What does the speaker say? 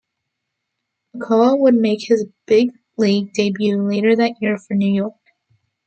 Ochoa would make his big league debut later that year for New York.